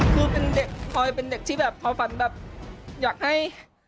คือเป็นเด็กทอยเป็นเด็กที่ทอฟันอยากให้